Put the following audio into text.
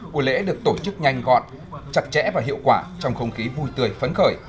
cuộc lễ được tổ chức nhanh gọn chặt chẽ và hiệu quả trong không khí vui tươi phấn khởi